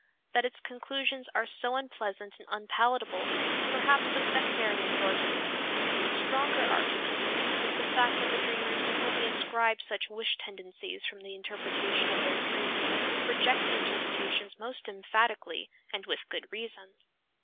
That its conclusions are so unpleasant and unpalatable is perhaps of secondary importance. A stronger argument is the fact that the dreamers to whom we ascribe such wish tendencies from the interpretation of their dreams reject the interpretations most emphatically, and with good reason.